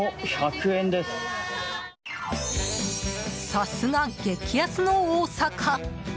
さすが激安の大阪。